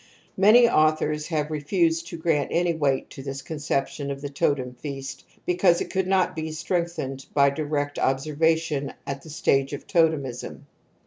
Many authors^ have refused to grant any weight to this conception of the totem feast because it could not be strengthened by direct observation at the stage of totemism